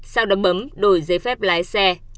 sau đó bấm đổi giấy phép lái xe